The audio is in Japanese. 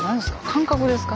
感覚ですか？